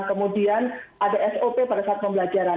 kemudian ada sop pada saat pembelajaran